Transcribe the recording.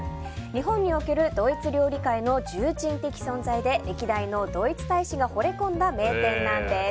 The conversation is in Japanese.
日本におけるドイツ料理界の重鎮的存在で歴代のドイツ大使がほれ込んだ名店なんです。